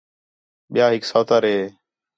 ٻِیا ہِک سوتر ہِے